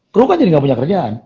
kru kan jadi gak punya kerjaan